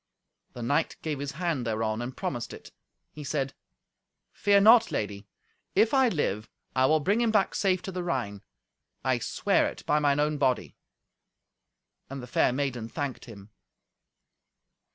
The knight gave his hand thereon, and promised it. He said, "Fear not, lady; if I live, I will bring him back safe to the Rhine. I swear it by mine own body." And the fair maiden thanked him.